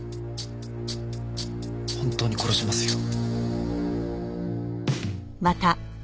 本当に殺しますよ。